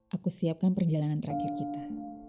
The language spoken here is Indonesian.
aku siapkan perjalanan terakhir kita